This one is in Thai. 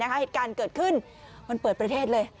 เหตุการณ์เกิดขึ้นมันเปิดประเทศเลย